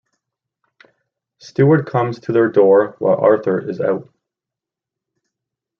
Steward comes to their door while Arthur is out.